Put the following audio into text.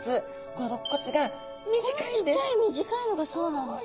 このちっちゃい短いのがそうなんですね。